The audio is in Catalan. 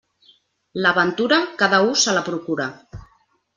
La ventura, cada u se la procura.